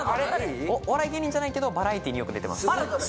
お笑い芸人じゃないけどバラエティーによく出てます。